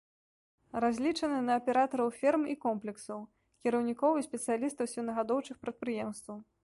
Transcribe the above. Разлічаны на аператараў ферм і комплексаў, кіраўнікоў і спецыялістаў свінагадоўчых прадпрыемстваў.